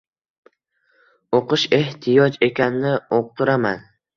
Oʻqish ehtiyoj ekanini uqtiraman.